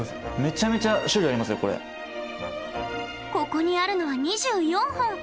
ここにあるのは２４本！